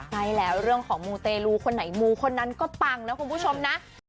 ใช่แล้วเรื่องของมูเตรลูคนไหนมูคนนั้นก็ปังนะคุณผู้ชมนะ